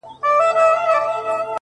هينداره و هيندارې ته ولاړه ده حيرانه!